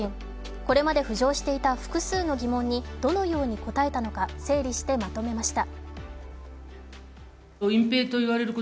これまで浮上していた複数の疑問にどのように答えたのか整理してまとめました。